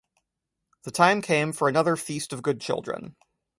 The time came for another Feast of Good Children.